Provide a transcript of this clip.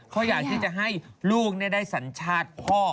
เขาอยากที่จะให้ลูกได้สัญชาติพ่อ